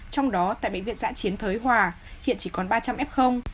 trong đó tại bệnh viện giã chiến thới hòa hiện chỉ còn ba trăm linh f